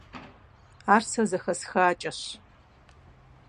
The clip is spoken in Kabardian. Ар сэ зэхэсхакӏэщ.